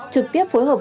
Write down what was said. trực tiếp phối hợp